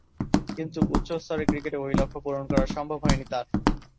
কিন্তু, উচ্চ স্তরের ক্রিকেটে ঐ লক্ষ্য পূরণ করা সম্ভব হয়নি তার।